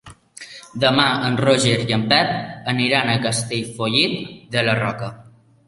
Demà en Roger i en Pep aniran a Castellfollit de la Roca.